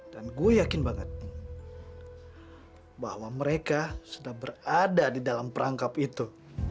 dan gue yakin banget bahwa mereka sudah berada di dalam perangkap itu